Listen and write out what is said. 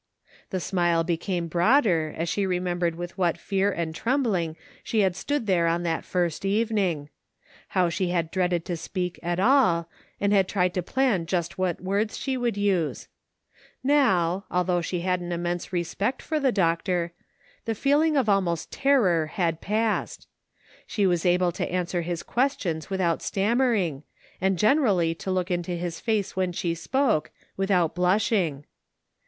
The smile became broader as she remembered with what fear and trembling she had stood there on that first evening. How she had dreaded to speak at all, and had tried to plan just what words she should use. Now, al though she had an immense respect for the doc tor, the feeling of almost terror had passed. She was able to answer his questions without stammering, and generally to look into his face when she spoke, without blushing.